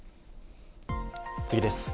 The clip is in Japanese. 次です。